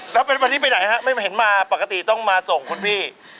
แล้ววันนี้ไปไหนฮะไม่เห็นมาปกติต้องมาส่งคุณพี่